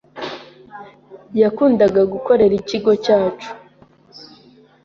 Yakundaga gukorera ikigo cyacu.